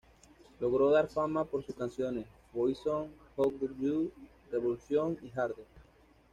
Logró dar fama por sus canciones "Poison", "How do you do", "Revolution" y "Harder".